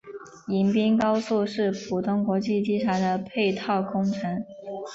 迎宾高速是浦东国际机场的配套工程。